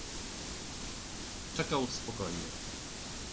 czekał spokojnie.